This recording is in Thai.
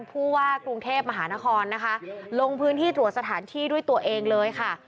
ผู้ว่ากรุงเทพมหานครนะคะลงพื้นที่ตรวจสถานที่ด้วยตัวเองเลยค่ะ